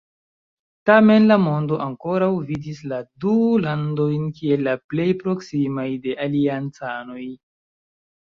Tamen la mondo ankoraŭ vidis la du landojn kiel la plej proksimaj de aliancanoj.